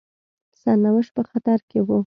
سرنوشت په خطر کې وو.